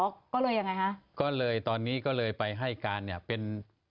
ก็เลยยังไงฮะก็เลยตอนนี้ก็เลยไปให้การเนี่ยเป็น